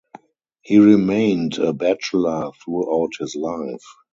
He remained a bachelor throughout his life.